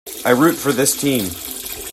I root for this team.